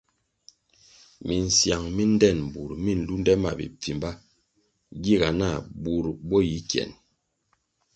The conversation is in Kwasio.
Misiang mi ndtenbur mi nlunde ma bipfimba giga nah bur bo yi kien.